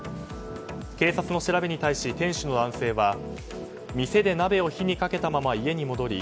警察の調べに対し店主の男性は店で鍋を火にかけたまま家に戻り